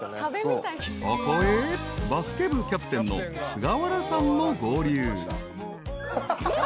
［そこへバスケ部キャプテンの菅原さんも合流］